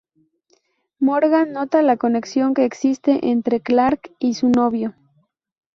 Morgan nota la conexión que existe entre Clarke y su novio.